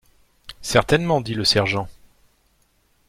Certainement, dit le sergent.